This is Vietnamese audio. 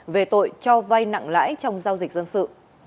về tội cho vay nặng lãi trong giao dịch dân sự